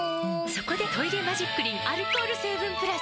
そこで「トイレマジックリン」アルコール成分プラス！